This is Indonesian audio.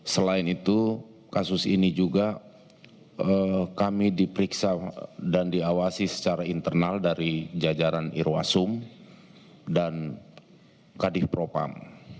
selain itu kasus ini juga kami diperiksa dan diawasi secara internal dari jajaran irwasum dan kadif propam